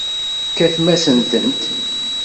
Tfakem-asent-tent.